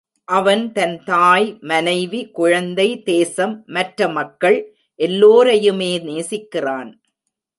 அவன் தன் தாய், மனைவி, குழந்தை, தேசம், மற்ற மக்கள் எல்லோரையுமே நேசிக்கிறான்.